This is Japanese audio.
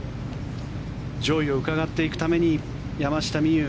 上位をうかがっていくため山下美夢有